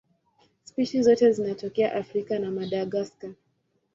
Spishi zote zinatokea Afrika na Madagaska.